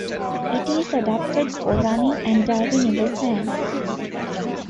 It is adapted for running and diving in the sand.